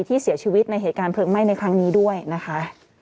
ที่เสียชีวิตในเหตุการณ์เพลิงไหม้ในครั้งนี้ด้วยนะคะ